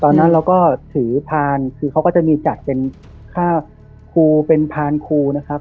ตอนนั้นเราก็ถือพานคือเขาก็จะมีจัดเป็นค่าครูเป็นพานครูนะครับ